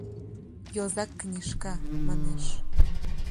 Йозак книжка, манеш.